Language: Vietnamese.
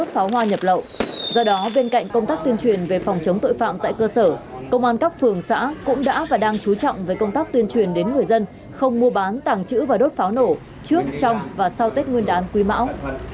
tại cạnh công tác tuyên truyền về phòng chống tội phạm tại cơ sở công an các phường xã cũng đã và đang chú trọng về công tác tuyên truyền đến người dân không mua bán tàng trữ và đốt pháo nổ trước trong và sau tết nguyên đán quy mão